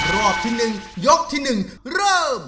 รอบที่๑ยกที่๑เริ่ม